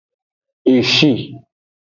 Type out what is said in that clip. Eshi.